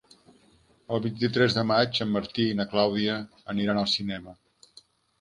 El vint-i-tres de maig en Martí i na Clàudia aniran al cinema.